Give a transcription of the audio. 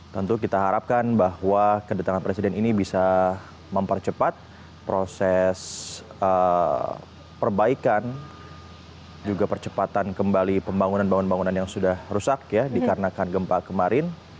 tentu kita harapkan bahwa kedatangan presiden ini bisa mempercepat proses perbaikan juga percepatan kembali pembangunan bangunan yang sudah rusak ya dikarenakan gempa kemarin